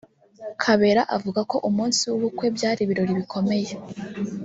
Kabera avuga ko umunsi w’ubukwe byari ibirori bikomeye